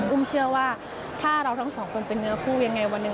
เชื่อว่าถ้าเราทั้งสองคนเป็นเนื้อคู่ยังไงวันหนึ่ง